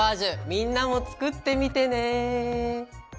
みんなも作ってみてね！